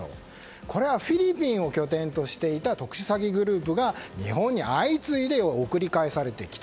これはフィリピンを拠点としていた特殊詐欺グループが日本に相次いで送り返されてきた。